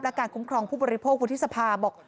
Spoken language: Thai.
และการคุ้มครองผู้บริโภควุฒิสภาบอก